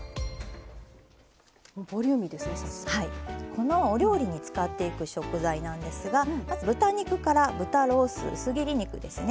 このお料理に使っていく食材なんですがまず豚肉から豚ロース薄切り肉ですね。